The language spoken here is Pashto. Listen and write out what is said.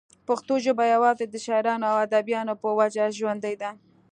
پښتو ژبه يوازې دَشاعرانو او اديبانو پۀ وجه ژوندۍ ده